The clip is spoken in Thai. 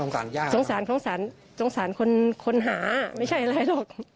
สงสารสงสารสงสารสงสารสงสารคนคนหาไม่ใช่อะไรหรอก